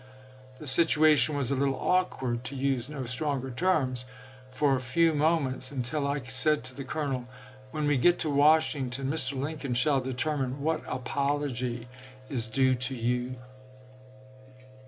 The situation was a little awkward, to use no stronger terms, for a few moments, until I said to the Colonel :" When we get to Washington, Mr. Lincoln shall determine what apology is due to you."